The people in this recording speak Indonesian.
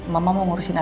mama mau ngurusin atas